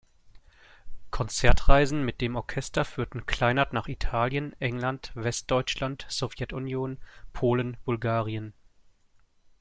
Konzertreisen mit dem Orchester führten Kleinert nach Italien, England, Westdeutschland, Sowjetunion, Polen, Bulgarien.